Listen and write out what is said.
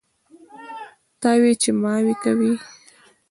تاوې چې ماوې کوي.